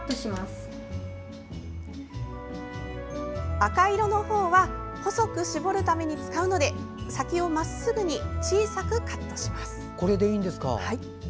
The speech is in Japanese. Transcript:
赤色の方は細く絞るために使うので先をまっすぐに小さくカットします。